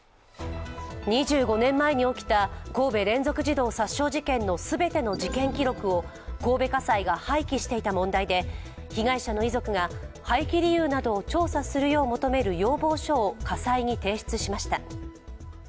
２５年前に起きた神戸連続児童殺傷事件の全ての事件記録を神戸家裁が廃棄していた問題で被害者の遺族が、廃棄理由などを調査するよう求める要望書を家裁に提出しました。